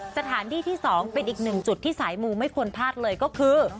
สถานที่ที่๒เป็นอีกหนึ่งจุดที่สายมูไม่ควรพลาดเลยก็คือ